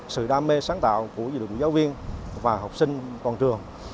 sự đam mê sáng tạo của giáo viên và học sinh toàn trường